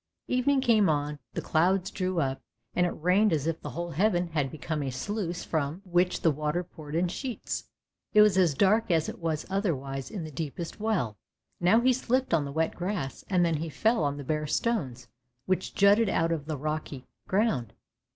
Evening came on, the clouds drew up, and it rained as if the whole heaven had become a sluice from !57 158 ANDERSEN'S FAIRY TALES which the water poured in sheets ; it was as dark as it is other wise in the deepest well. Now he slipped on the wet grass, and then he fell on the bare stones which jutted out of the rocky ground.